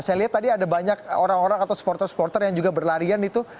saya lihat tadi ada banyak orang orang atau supporter supporter yang juga berlarian itu